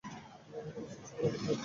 তোমার কিছু হবে না, ব্রো।